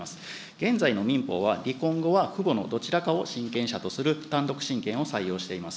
現在の民法は、離婚後は、父母のどちらかを親権者とする単独親権を採用しています。